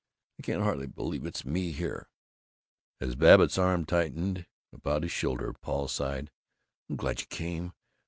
I can't hardly believe it's me here." As Babbitt's arm tightened about his shoulder, Paul sighed, "I'm glad you came.